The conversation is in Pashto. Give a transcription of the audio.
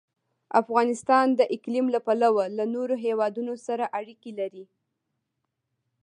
افغانستان د اقلیم له پلوه له نورو هېوادونو سره اړیکې لري.